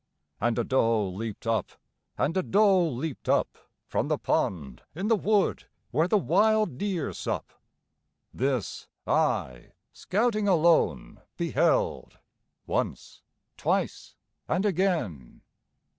And a doe leaped up, and a doe leaped up From the pond in the wood where the wild deer sup. This I, scouting alone, beheld, Once, twice and again!